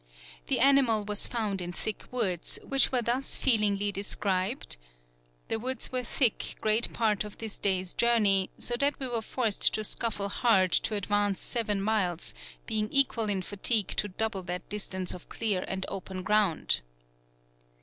The animal was found in thick woods, which were thus feelingly described: "The woods were thick great Part of this Day's Journey, so that we were forced to scuffle hard to advance 7 miles, being equal in fatigue to double that distance of Clear and Open Ground."